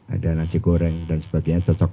ada nasi goreng dan sebagainya cocok